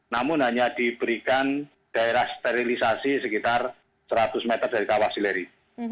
namun hanya diberikan daerah sterilisasi sekitar seratus meter dari kawah sileri